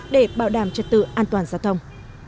để bảo đảm trật tự an toàn giao thông